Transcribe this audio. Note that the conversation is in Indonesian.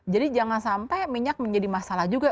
jadi jangan sampai minyak menjadi masalah juga